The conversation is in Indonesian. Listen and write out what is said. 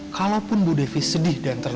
kalaupun bu devi sedih dan ter